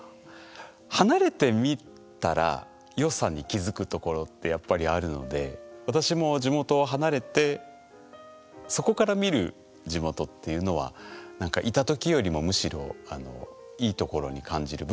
離れてみたらよさに気付くところってやっぱりあるので私も地元を離れてそこから見る地元っていうのはなんかいたときよりもむしろいいところに感じる部分もありますね。